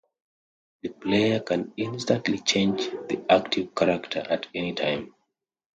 The player can instantly change the active character at any time.